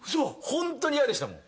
ホントに嫌でしたもん。